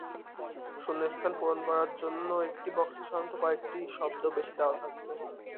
শূন্যস্থান পূরণ করার জন্য একটি বক্সে সাধারণত কয়েকটি শব্দ বেশি দেওয়া থাকবে।